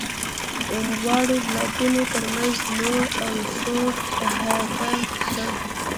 دواړو بلاکونو تر منځ لوړ او ځوړ احاطه ده.